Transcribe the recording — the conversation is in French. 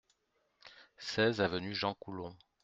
seize avenue Jean Coulon